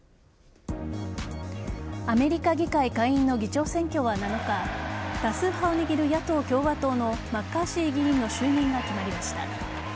アメリカ議会下院の議長選は７日多数派を握る野党・共和党のマッカーシー議員の就任が決まりました。